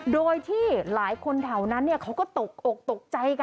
โดยที่หลายคนเถ่านั้นเนี่ยเขาก็ตกออกตกใจ